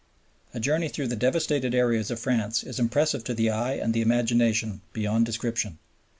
A journey through the devastated areas of France is impressive to the eye and the imagination beyond description.